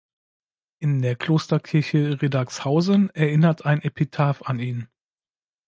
In der Klosterkirche Riddagshausen erinnert ein Epitaph an ihn.